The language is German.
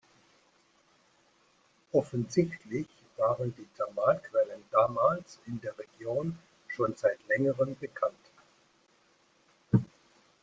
Offensichtlich waren die Thermalquellen damals in der Region schon seit längerem bekannt.